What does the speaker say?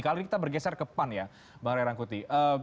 kali ini kita bergeser ke pan ya bang ray rangkuti